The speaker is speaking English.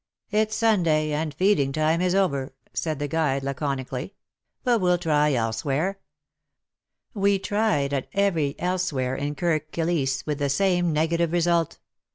" It's Sunday, and feeding time is over," said '^:^'.' 1 ?^\ WAR AND WOMfiN loi the guide laconically. But we'll try elsewhere." We tried at every "elsewhere" in Kirk Kilisse, with the same negative result.